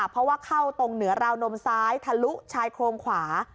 เพราะว่าเข้าตรงเหนือราวนมซ้ายทะลุชายโครงขวา